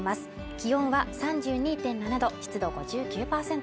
気温は３２．７度湿度５９％